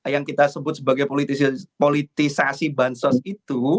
yang kita sebut sebagai politisasi bansos itu